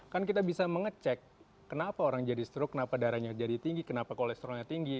kan kita bisa mengecek kenapa orang jadi stroke kenapa darahnya jadi tinggi kenapa kolesterolnya tinggi